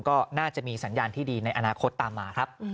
ก็น่าจะมีสัญญาณที่ดีในอนาคตตามมาครับ